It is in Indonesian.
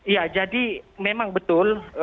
ya jadi memang betul